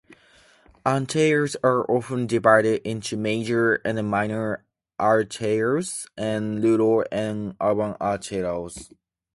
Arterials are often divided into major and minor arterials, and rural and urban arterials.